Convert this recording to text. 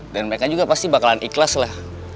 dan mereka juga pasti bakalan ikhlas lah